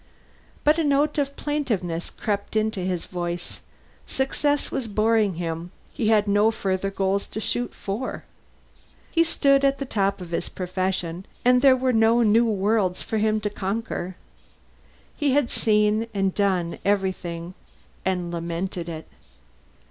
But a note of plaintiveness crept into his voice: success was boring him, he had no further goals to shoot for. He stood at the top of his profession, and there were no new worlds for him to conquer. He had seen and done everything, and lamented it.